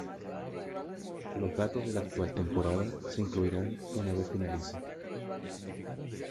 Los datos de la actual temporada se incluirán una vez finalice.